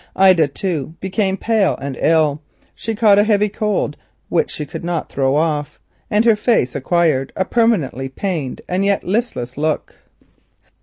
Ida, too, became pale and ill; she caught a heavy cold, which she could not throw off, and her face acquired a permanently pained and yet listless look.